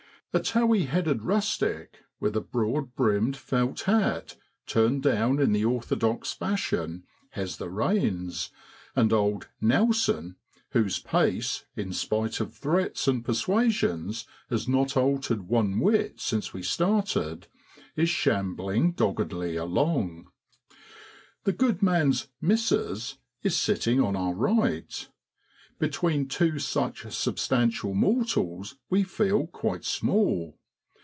A towy headed rustic, with a broad brimmed felt hat, turned down in the orthodox fashion, has the reins, and old 'Nelson,' whose pace, in spite of threats and persuasions, has not altered one whit since we started, is shambling doggedly along. The good man's ' missus ' is sitting on our right. Between two such substantial mortals we feel quite small.